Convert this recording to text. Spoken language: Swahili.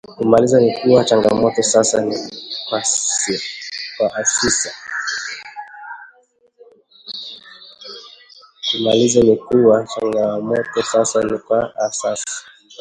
Kumalizia ni kuwa changamoto sasa ni kwa asasi